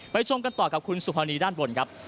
ชมกันต่อกับคุณสุภานีด้านบนครับ